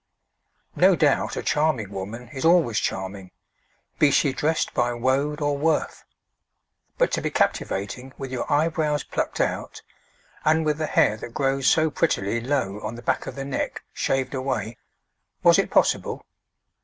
No doubt a charming woman is always charming, be she dressed by woad or worth; but to be captivating with your eyebrows plucked out, and with the hair that grows so prettily low on the back of the neck shaved away was it possible?